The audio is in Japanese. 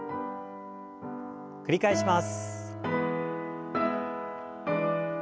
繰り返します。